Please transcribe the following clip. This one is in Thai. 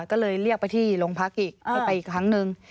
ก็เลยเรียกไปที่โรงพักอีกให้ไปอีกครั้งหนึ่ง